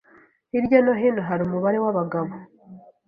hirya no hino hari umubare wabagabo